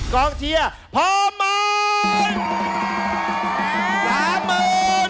กรองเชียร์พร้อมมัน